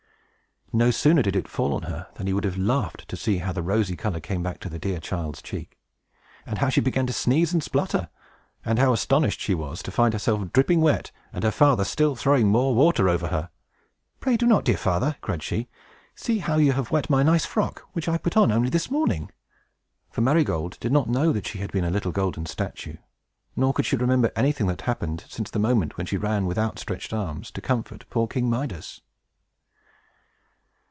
No sooner did it fall on her than you would have laughed to see how the rosy color came back to the dear child's cheek! and how she began to sneeze and sputter! and how astonished she was to find herself dripping wet, and her father still throwing more water over her! "Pray do not, dear father!" cried she. "See how you have wet my nice frock, which I put on only this morning!" For Marygold did not know that she had been a little golden statue; nor could she remember anything that had happened since the moment when she ran with outstretched arms to comfort poor King Midas.